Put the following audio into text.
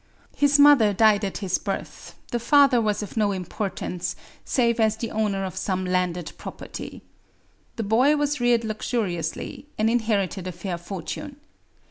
His mother died at his birth; the father was of no importance, save as the owner of some landed property. The boy was reared luxuriously, and inherited a fair fortune.